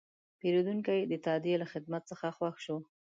پیرودونکی د تادیې له خدمت څخه خوښ شو.